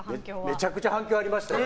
めちゃくちゃ反響ありました。